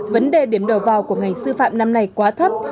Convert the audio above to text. vấn đề điểm đầu vào của ngành sư phạm năm nay quá thấp